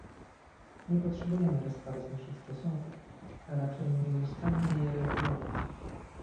Nie potrzebujemy resetować naszych stosunków, a raczej nieustannie je regulować